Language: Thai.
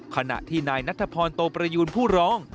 ขณะที่นายนัทพรโตประยูนผู้ร้อง